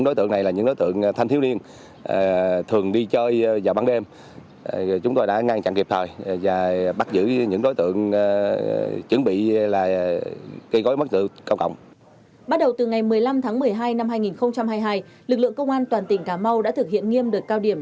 bắt đầu từ ngày một mươi năm tháng một mươi hai năm hai nghìn hai mươi hai lực lượng công an toàn tỉnh cà mau đã thực hiện nghiêm được cao điểm